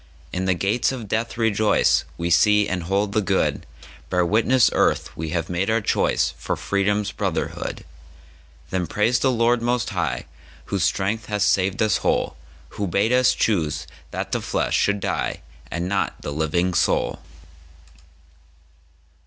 In the Gates of Death rejoice! We see and hold the good—Bear witness, Earth, we have made our choiceFor Freedom's brotherhood. Then praise the Lord Most HighWhose Strength hath saved us whole, Who bade us choose that the Flesh should dieAnd not the living Soul!